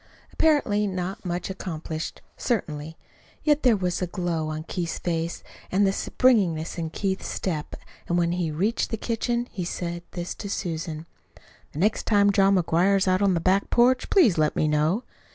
Apparently not much accomplished, certainly; yet there was the glow on Keith's face and the springiness in Keith's step; and when he reached the kitchen, he said this to Susan: "The next time John McGuire is on the back porch, please let me know."